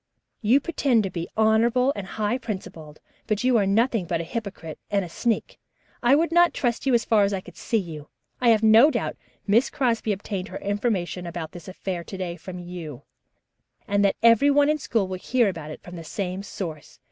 You pretend to be honorable and high principled, but you are nothing but a hypocrite and a sneak. I would not trust you as far as I could see you. I have no doubt Miss Crosby obtained her information about this affair to day from you, and that everyone in school will hear it from the same source.